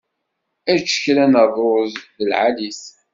Ečč kra n rruẓ, d lɛali-t.